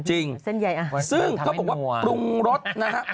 จริงซึ่งเขาบอกว่าปรุงรสนะฮะ